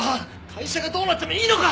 会社がどうなってもいいのか！？